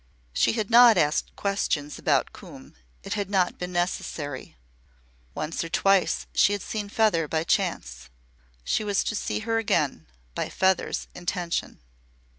She had not asked questions about Coombe. It had not been necessary. Once or twice she had seen Feather by chance. She was to see her again by Feather's intention.